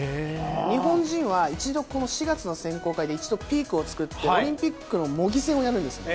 日本人は一度、４月の選考会で一度ピークを作って、オリンピックの模擬戦をやるんです。